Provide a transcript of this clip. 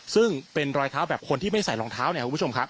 ซึ่งเป็นรอยเท้าแบบคนที่ไม่ใส่รองเท้าเนี่ยคุณผู้ชมครับ